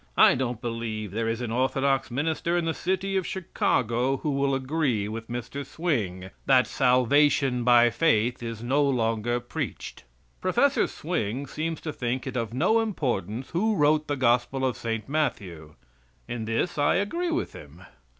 I don't believe there is an orthodox minister in the city of Chicago who will agree with Mr. Swing that salvation by faith is no longer preached. Prof. Swing seems to think it of no importance who wrote the Gospel of St. Matthew. In this I agree with him.